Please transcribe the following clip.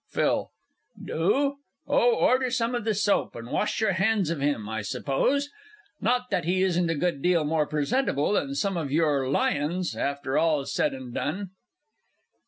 PHIL. Do? Oh, order some of the soap, and wash your hands of him, I suppose not that he isn't a good deal more presentable than some of your lions, after all's said and done!